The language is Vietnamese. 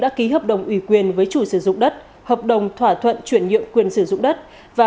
đã ký hợp đồng ủy quyền với chủ sử dụng đất hợp đồng thỏa thuận chuyển nhượng quyền sử dụng đất và